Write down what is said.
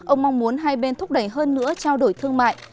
ông mong muốn hai bên thúc đẩy hơn nữa trao đổi thương mại